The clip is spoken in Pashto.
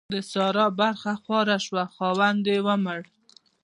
د سارا برخه خواره شوه؛ خاوند يې ومړ.